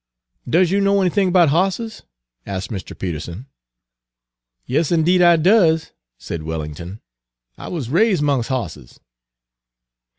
"Does you know anything erbout hosses?" asked Mr. Peterson. "Yes, indeed, I does," said Wellington. "I wuz raise' 'mongs' hosses."